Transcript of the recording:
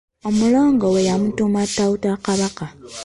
Omulongo we yamutuuma Tawutta kabaka.